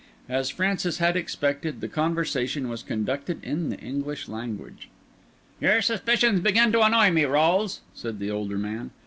As Francis had expected, the conversation was conducted in the English language. "Your suspicions begin to annoy me, Rolles," said the older man.